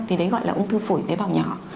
thì đấy gọi là ung thư phổi tế bào nhỏ